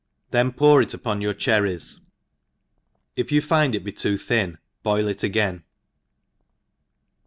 then pour it upon your cherries, if you find it be too thin boil it again.